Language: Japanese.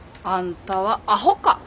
あんたはあほか。